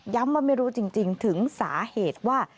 ว่าไม่รู้จริงถึงสาเหตุว่า